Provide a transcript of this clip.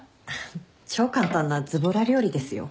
超簡単なずぼら料理ですよ。